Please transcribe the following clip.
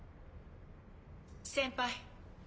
・先輩。